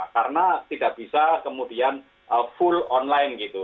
karena tidak bisa kemudian full online gitu